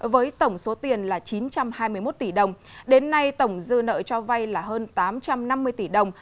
với tổng số tiền là chín trăm hai mươi một tỷ đồng đến nay tổng dư nợ cho vay là hơn tám trăm năm mươi tỷ đồng